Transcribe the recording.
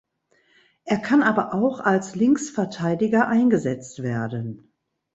Er kann aber auch als Linksverteidiger eingesetzt werden.